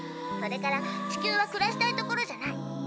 それから地球は暮らしたい所じゃない。